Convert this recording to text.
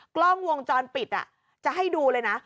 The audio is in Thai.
กล้องวงจรปิดจะให้ดูเลยนะ